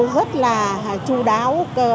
rất là chú đáo